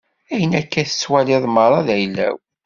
Ayen akka i tettwaliḍ meṛṛa, d ayla-w.